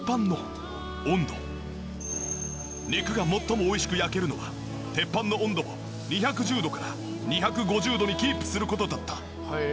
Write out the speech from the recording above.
肉が最も美味しく焼けるのは鉄板の温度を２１０度から２５０度にキープする事だった。